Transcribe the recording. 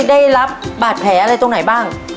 ได้รับบาดแผลอะไรตรงไหนบ้าง